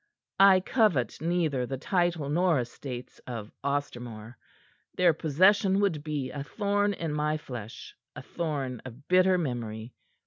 I covet neither the title nor estates of Ostermore. Their possession would be a thorn in my flesh, a thorn of bitter memory.